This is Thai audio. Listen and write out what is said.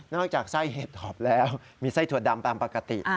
อกจากไส้เห็ดถอบแล้วมีไส้ถั่วดำตามปกติ